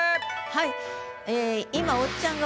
はい。